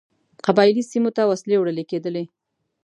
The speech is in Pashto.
قبایلي سیمو ته وسلې وړلې کېدلې.